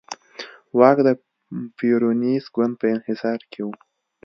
واک د پېرونېست ګوند په انحصار کې و.